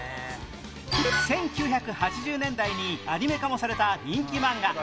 １９８０年代にアニメ化もされた人気マンガ